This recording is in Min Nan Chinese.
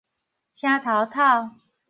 聲頭敨